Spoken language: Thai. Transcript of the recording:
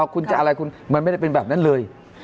คุณจะอะไรคุณมันไม่ได้เป็นแบบนั้นเลย